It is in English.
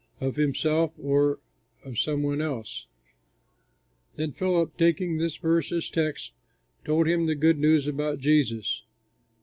Of himself or of some one else?" Then Philip, taking this verse as his text, told him the good news about Jesus.